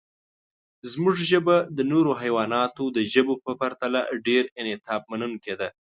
زموږ ژبه د نورو حیواناتو د ژبو په پرتله ډېر انعطافمنونکې ده.